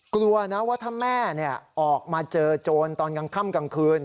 กลัวนะว่าถ้าแม่เนี่ยออกมาเจอโจรตอนค่ำคืน